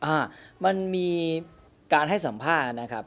อ่ามันมีการให้สัมภาษณ์นะครับ